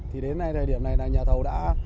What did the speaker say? thời điểm này nhà thầu đã